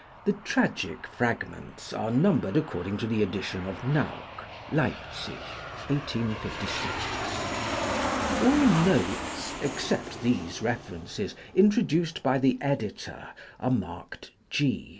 The tragic fragments are numbered according to the edition of Nauck (Leipsic, 1856). All notes (except these references) introduced by the editor are marked G.